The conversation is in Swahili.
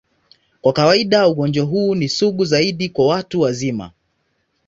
Kwa kawaida, ugonjwa huu ni sugu zaidi kwa watu wazima.